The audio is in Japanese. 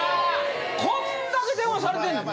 こんだけ電話されてんねんで。